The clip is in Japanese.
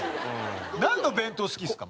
なんの弁当好きですか？